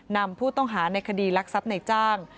นำผู้ต้องหาในคดีรักทรัพย์ในจ้าง